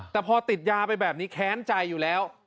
แต่พอติดยาไปแบบนี้แค้นใจอยู่แล้ว